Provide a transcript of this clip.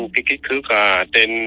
cái kích thước trên